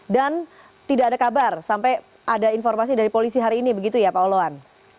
dan tidak ada kabar sampai ada informasi dari polisi hari ini begitu ya pak oloan